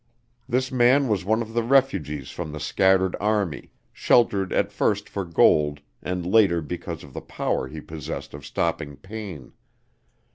This man was one of the refugees from the scattered army, sheltered at first for gold and later because of the power he possessed of stopping pain.